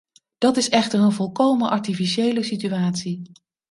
Dat is echter een volkomen artificiële situatie.